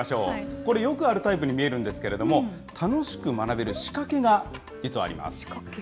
これ、よくあるタイプに見えるんですけど、楽しく学べる仕掛けが実はあります。